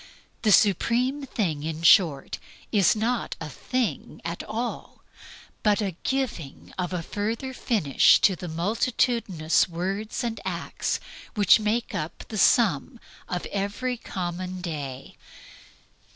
The supreme thing, in short, is not a thing at all, but the giving of a further finish to the multitudinous words and acts which make up the sum of every common day.